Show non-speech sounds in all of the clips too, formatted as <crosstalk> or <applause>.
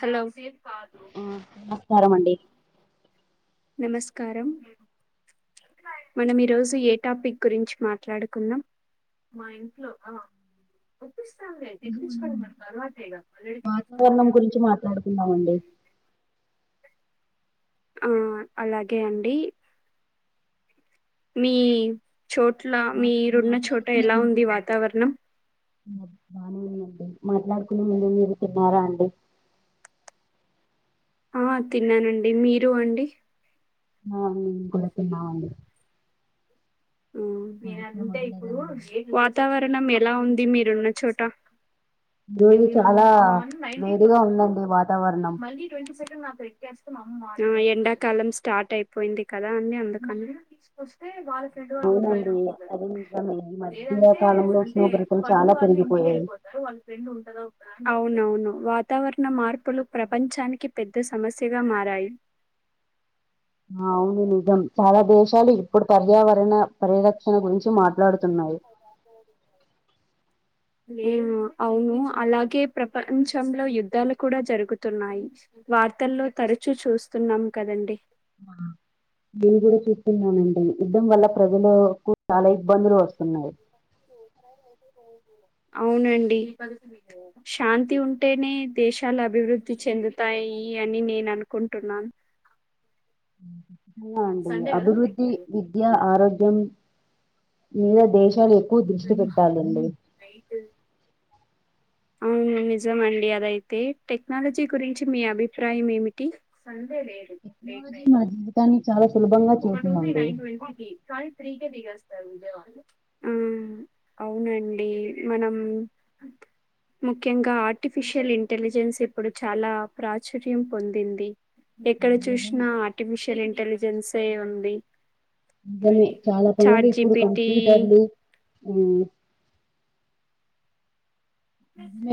Hello నమస్కారం అండి నమస్కారం మనం ఈరోజు ఏ టాపిక్ గురించి మాట్లాడుకున్నాం వాతావరణం గురించి మాట్లాడుకుందామండి ఆ అలాగే అండి మీ చోట్ల మీరున్న చోట ఎలా ఉంది వాతావరణం ఆ బానే ఉందండి మాట్లాడుకునే ముందు మీరు తిన్నారా అండి ఆ తిన్నానండి మీరు అండి ఆ మేము కూడా తిన్నాం అండి ఉమ్ నేను అంతే ఇప్పుడు మొదలెడదామండి వాతావరణం పట్టణం ఎలా ఉంది మీరున్న చోట ఈరోజు న చాలా మా అన్న నైన్టీన్ వేడిగా అసడు ఉందండి వాతావరణం మళ్ళీ ట్వంటీ సెకండ్ నాకు ఎగ్ ఎండాకాలం స్టార్ట్ అయిపోయింది కదా అ అందుకని ఫ్రెండ్ వాళ్ళు ఉండయినా అవునండి ఉంటారు అది నిజమే ఈ మధ్య లేదంటే కాలంలో అంటే ఉష్ణోగ్రతలు పండు చాలా వాళ్ళు ఇంటికి పెరిగిపోయాయి వెళ్ళిపోతారు వాళ్ళ ఫ్రెండ్ ఉంటదా అవునవును వాతావరణ మార్పులు ప్రపంచానికి పెద్ద సమస్యగా మారాయి ఆ అవును నిజం చాలా దేశాలు ఇప్పుడు పర్యావరణ పరిరక్షణ గురించి మాట్ అవును అలాగే ప్రపంచంలో యుద్ధాలు కూడా జరుగుతున్నాయి వార్తల్లో తరచూ చూస్తున్నాం కదండి నేను కూడా చూస్తున్నానండి యుద్ధం వల్ల ప్రజలులకు చాలా ఇబ్బందులు వస్తున్నాయి అవునండి శాంతి ఉంటేనే దేశాలు అభివృద్ధి చెందుతాయి అని నేను అనుకుంటున్నాను హ అండి అభివృద్ధి విద్య ఆరోగ్య మీద దేశాలు ఎక్కువ దృష్టి పెట్టాలండి అవును నిజం అండి అదయితే టెక్నాలజీ గురించి మీ అభిప్రాయం ఏమిటి లేట్ టెక్నాలజీ నైట్ మన జీవితాన్ని చాలా సులభంగా ఒక టూ చేసిందండి నైన్ ట్వంటీ కాని త్రీ ఉమ్ అవునండి మనం ముఖ్యంగా ఆర్టిఫిషియల్ ఇంటెలిజెన్స్ ఇప్పుడు చాలా ప్రాచుర్యం పొందింది ఎక్కడ చూసినా ఆర్టిఫిషియల్ ఇంటెలిజెన్సే ఉంది నిజమే చాలా పనులు చాట్ ఇప్పుడు జిపిటి కంప్యూటర్లు ఉమ్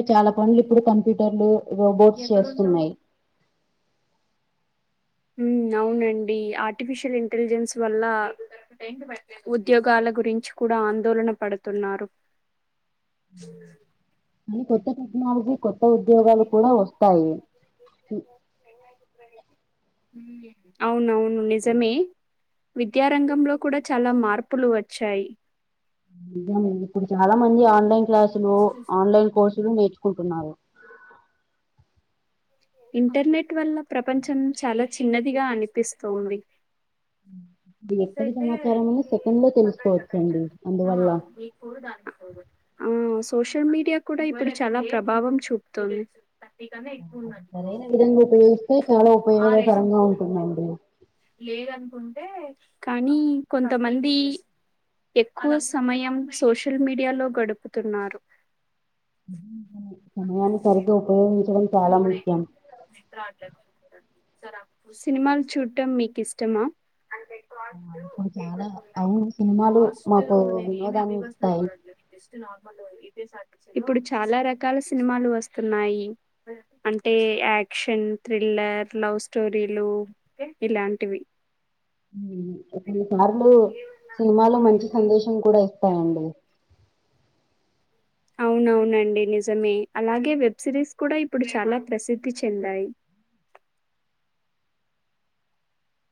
చాలా పనులు ఇప్పుడు కంప్యూటర్లు రోబోట్స్ చేస్తున్నాయి ఉమ్ అవునండి ఆర్టిఫిషియల్ ఇంటెలిజెన్స్ వల్ల ఉద్యోగాల గురించి కూడా ఆందోళన పడుతున్నారు కానీ కొత్త టెక్నాలజీ కొత్త ఉద్యోగాలు కూడా వస్తాయి అవునవును నిజమే విద్యారంగంలో కూడా చాలా మార్పులు వచ్చాయి అం ఇప్పుడు చాలా మంది ఆన్లైన్ క్లాసులు ఆన్లైన్ కోర్సు చ నేర్చుకుంటున్నారు ఇంటర్నెట్ వల్ల ప్రపంచం చాలా చిన్నదిగా అనిపిస్తుంది ఉమ్ ఇది ఎక్కడి సమాచారం అన్నా సెకండ్ లో తెలుసుకోవచ్చ అండి అందువల్ల ఆ! సోషల్ మీడియా కూడా ఇప్పుడు చాలా ప్రభావం చూపుతోంది థర్టీ కన్నా ఎక్కువ సరైన విధంగా ఉన్నడు ఉపయోగిస్తే చాలా ఆ రేసి ఉపయోగకరంగా ముతుంది ఉంటుందండి లేదనుకుంట టె కానీ కొంతమంది ఎక్కువ సమయం సోషల్ మీడియాలో గడుపుతున్నారు. సమయానుసారితో ఉపయోగించడం ఆ సి చాలా లోడే ముఖ్యం రాట్ సినిమాలు చూడటం మీకు ఇష్టమా ఇప్పుడు చాలా అవును సినిమాలు మాకు వినోదాన్ని ఇస్తాయి. ఏపీఎస్ ఇప్పుడు చాలా రకాల సినిమాలు వస్తున్నాయి. అంటే యాక్షన్ థ్రిల్లర్ లవ్ స్టోరీలు ఇలాంటివి ఉమ్, కొన్నిసార్లు సినిమాలో మంచి సందేశం కూడా ఇస్తాయండి. అవునవునండి నిజమే అలాగే వెబ్ సిరీస్ కూడా ఇప్పుడు చాలా ప్రసిద్ధి చెందాయి.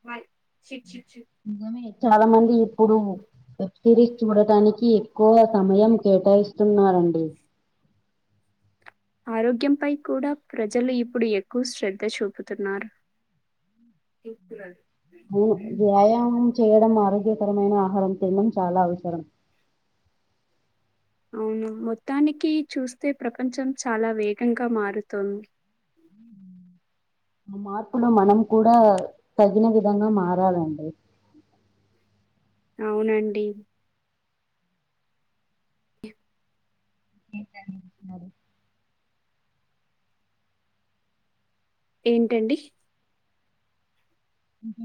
బయ్ నిజమే చాలా మంది ఇప్పుడు సిరీస్ చూడటానికి ఎక్కువ సమయం కేటాయిస్తున్నారంన్ ఉమ్ ఆరోగ్యంపై కూడా ప్రజలు ఇప్పుడు ఎక్కువ శ్రద్ధ చూపుతున్నారు. అవును. వ్యాయామం చేయడం ఆరోగ్యకరమైన ఆహారం తినడం చాలా అవసరం. అవును మొత్తానికి చూస్తే ప్రపంచం చాలా వేగంగా మారుతోంది. ఆ మార్ప్ ఇప్పుడు మనం కూడా తగినవి నేను మాారాలండి అవునండి. ఏంటండి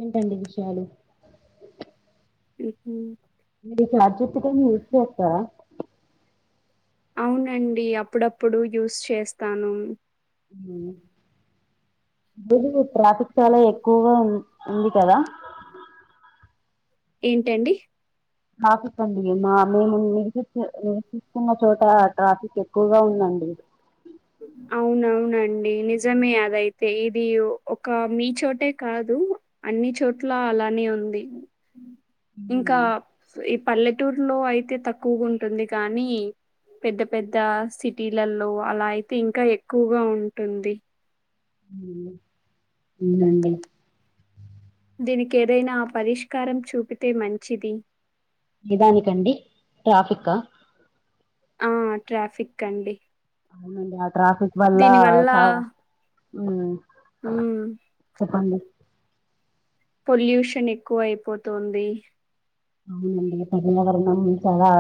ఏంటండి విషయాలు ఊహుం మీరు చాట్ జి పిటి యూస్ చేస్తారా అవునండి అప్పుడప్పుడు యూస్ చేస్తాను. మ్ <unintelligible> చాలా ఎక్కువగా ఉ ఉంది కదా ఏంటండి ట్రాఫిక్ అండి మా మేము నివసిస్తూ నివసిస్తున్న చోట ట్రాఫిక్ ఎక్కువగా ఉందండి. అవునవునండి నిజమే అదయితే ఇది ఒక మీ చోటే కాదు అన్ని చోట్ల అలానే ఉంది. ఇంకా హ్మ్. ఈ పల్లెటూరులో అయితే తక్కువుగుంటుంది. కానీ పెద్ద పెద్ద సిటీలలో అలాయి ఇంకా ఎక్కువగా ఉంటుంది. హ్మ్. అవునండి దీనికేదైనా ఆ పరిష్కారం చూపితే మంచిది. ఏదాని కండి ట్రాఫికా ఆ ట్రాఫిక్ అండి. <unintelligible> ట్రాఫిక్ వాళ్ళ చాల ఉ ఉ పొల్యూషన్ ఎక్కువ అయిపోతుంది అవునండి ప్రజల వర్ణం ఉండ చాలా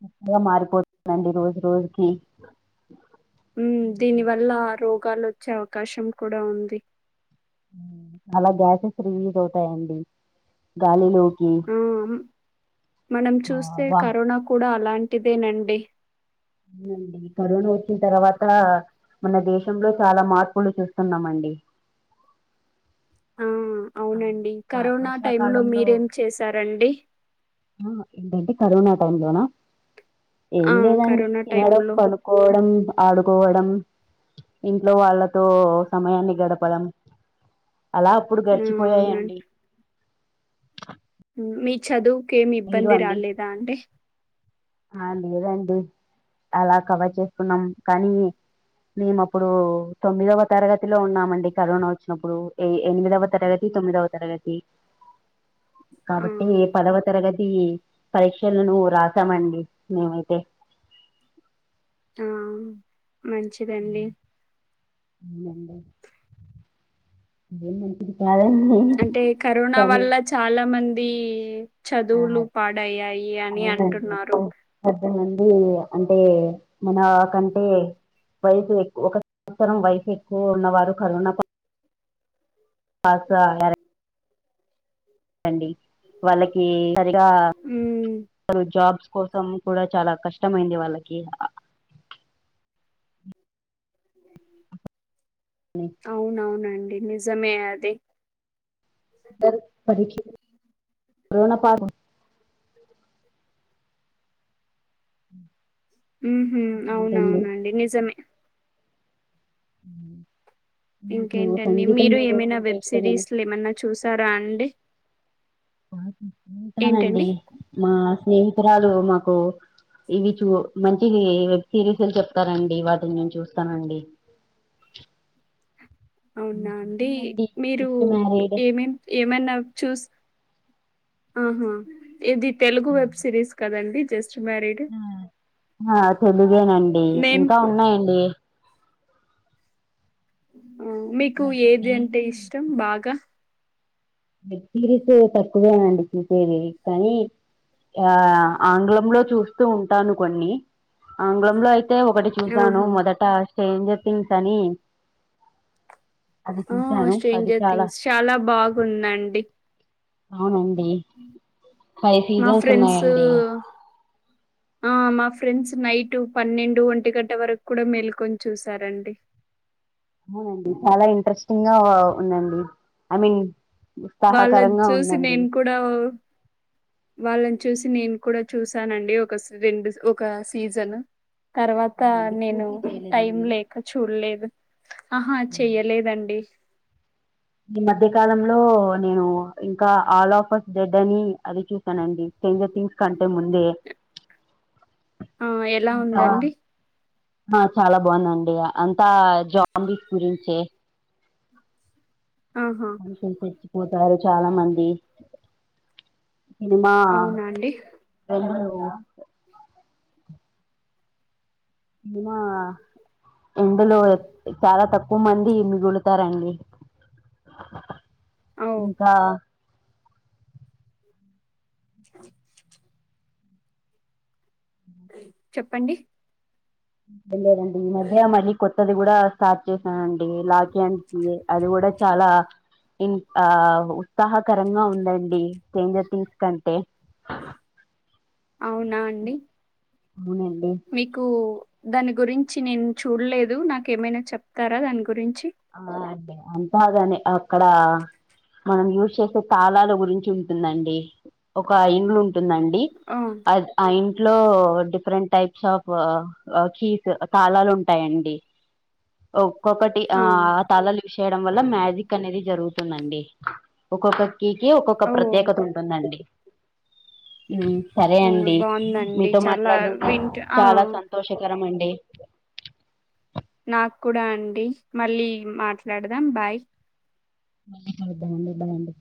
చక్కగా మారిపోతుందండి రోజు రోజుకి కాలు వచ్చే అవకాశం కూడా ఉంది అలా గ్యాసెస్ రిలీజ్ అవుతాయండి గాలిలో ఆ మనం ఆ చూస్తే వా కరోనా కూడా అలాంటిదేనండి అవును అండి కరోనా వ వచ్చిన తర్వాత మన దేశంలో చాలా మార్పులు చూస్తున్నాము అండి ఆ అవునండి కరోనా టై లో వర్షాకాలంలో మీరేం చేశారండి ఆ ఏంటంటే కరోనా టై లోనా ఏం ఆ లేదండి కరోనా టైమ్ తినడం లో పనుకోవడం ఆడుకోవడం ఇంట్లో వాళ్ళతో సమయాన్ని గడపడం అలా అప్పుడు ఆ గర్చు పోయాయండి అవునండి మీ చదువు ఏమి మీరు ఇబ్బంది అండి రాలేదా అంటే ఆ లేదండి అలా కవర్ చేసుకున్నాం కానీ మేము అప్పుడు తొమ్మిదవ తరగతిలో ఉన్నామండి కరోనా వచ్చినప్పుడు ఏ ఎనిమిదవ తరగతి తొమ్మిదవ తరగతి ఆ కాబట్టి పదవ ది పరీక్షలను రాసామండి మేమైతే ఆ మంచిదండి అవునండి ఇదే మంచిదీ అంటే కరోనా వల్ల చాలా మంది ది ఆ చదువులు పాడయ్యాయి అని అంటున్నారు ఊ అంటే మన కంటే వైస్ ఎక్కువ ఒక సంవత్సరం వైస్ ఎక్కువ ఉన్నవారు కరోనా దంతో అల్లాడి డి వాళ్ళకి సరిగా ఉమ్ జాబ్స్ కోసం కూడా చాలా కష్టమైంది వాళ్ళకి అ అవునవునండి నిజమే అది పరిక్ష రోనా పాపం ఉం ఉహు అవునవునండి నిజమే ఉ ఇంకేంటండి మీరు ఏమైనా అంటే వెబ్ ఇష్టమేనా సిరీస్ ల్ ఏమైన్నా చూస్ స్తారా అండి నండి ఏంటండి మా స్నేహితురాలు మాకు ఇవి చూ మంచి వెబ్ సిరీస్లు చెప్తారండి వాటిని నేను చూస్తానండి అవునా అండి నండి మీరు జస్ట్ మ్యారీడ్ ఏమేం ఏమన్నా చూస్ ఆహా ఇది తెలుగు వెబ్ సిరీస్ కదండి జస్ట్ మ్యారీడ్ ఆ తెలుగేనండి నేను ఇంకా కు ఉన్నాయండి మీకు వాటి ఏది పేర్లు. అంటే ఇష్టం బాగా వెబ్ సిరిస్ తక్కువేనండి చూసేది కానీ ఆ ఆంగ్లంలో చూస్తూ ఉంటాను కొన్ని ఆంగ్లంలో అయితే ఒకటి చూశాను ఆహా మొదట స్టెంజర్ థింగ్స్ అని అది ఆ చూసాను అది స్టేంజర్ థింగ్స్ చాలా బాగుందండి అవునండి ఫైవ్ మా సీజన్స్ ఫ్రెండ్స్ ఉన్నాయండి ఆ మా ఫ్రెండ్స్ నైట్ పన్నెండు ఒంటి గంట వరకు కూడా మేల్కొని చూసారండి అవునండి చాలా ఇంట్రెస్ ఇంగా ఉందండి ఐ మీన్ వాళ్ళది ఉత్సాహకరంగా చూసి ఉందండి నేను కూడా ఓ వాళ్ళ చూసి నేను కూడా చూసానండి ఒక రెండు ఒక సీజన్ తర్వాత అవునండి నేను పూర్తి చేయలేదా టైం మీరు లేక చూడలేదు ఆహా చెయలేదండి ఈ మధ్య కాలంలో నేను ఇంకా ఆల్ ఆఫర్స్ డెడ్ అని అది చూసానండి స్ట్రెంజర్ థింగ్స్ కంటే ముందే ఆ ఎలా ఇంకా ఉందండి ఆ చాలా బాగుందండి అంతా జాంబీస్ గురించే ఆహా మనుషు లు సచ్చిపోతారు చాలా మంది సినిమా అవునా అండి వె అనా ఎందులో చాలా తక్కువ మంది మిగులుతారండి ఓ ఇంకా చెప్పండి అ రండి మధ్య్ మళ కొ అది కూడా స్టార్ట్ చేశానండి లాక అ అది కూడా చాలా ఇ ఆ ఉత్సాహకరంగా ఉందండి తేంజర్ థింగ్స్ కంటే అవునా అండి అవునండి మీకు దాని గురించి నేను చూడలేదు నాక ఏమైనా చెప్తారా దాని గురి గురించి అంతగాని అక్కడ మనం యూజ్ చేసే తాళాల గురించి ఉంటుందండి ఒక ఇండ్లు ఉంటు ఉంటుందండి ఆ అ అయి ఇంలో డిఫరెంట్ టైప్స్ ఆఫ్ కీస్ కళాలు ఉంటాయి అండి ఒక్కొ ఆ తల లిఫ్చేయడం వల్ల మ్యాజిక్ అనేది జరుగుతుందండి ఒక్కొక్క కి ఒక్కొక్క ఓ ప్రత్యేకత ఉంటుందండి సరే ఓ, అండి బాగుందండి మీతో చాలా మాట్లాడడం వింట ఆ చాలా సంతోషకరం అండి అ నాకు కూడా అండి మళ్ళీ మాట్లాడదాం బాయ్ బాయ్ అండి బాయ్ అండి